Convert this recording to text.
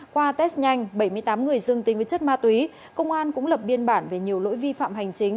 qua test nhanh bảy mươi tám người dương tính với chất ma túy công an cũng lập biên bản về nhiều lỗi vi phạm hành chính